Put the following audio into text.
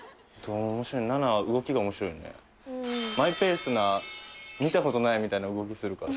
マイペースな見たことないみたいな動きするから。